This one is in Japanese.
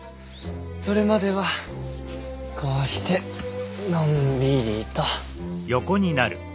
それまではこうしてのんびりと。